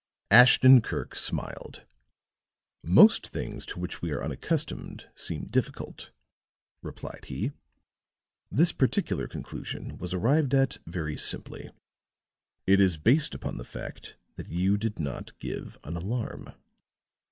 Ashton Kirk smiled. "Most things to which we are unaccustomed seem difficult," replied he. "This particular conclusion was arrived at very simply. It is based upon the fact that you did not give an alarm.